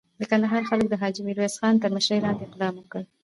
د کندهار خلکو د حاجي میرویس خان تر مشري لاندې اقدام وکړ.